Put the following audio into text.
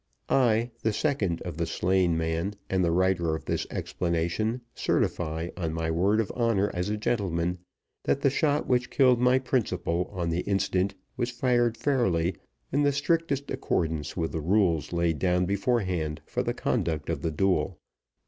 I, the second of the slain man, and the writer of this explanation, certify, on my word of honor as a gentleman that the shot which killed my principal on the instant was fired fairly, in the strictest accordance with the rules laid down beforehand for the conduct of the duel.